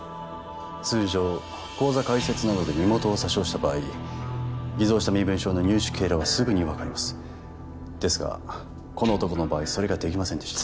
通常口座開設などで身元を詐称した場合偽造した身分証の入手経路はすぐに分かりますですがこの男の場合それができませんでした